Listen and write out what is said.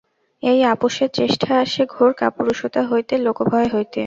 এই আপসের চেষ্টা আসে ঘোর কাপুরুষতা হইতে, লোকভয় হইতে।